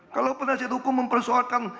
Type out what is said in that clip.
kalau penasihat hukum mempersoalkan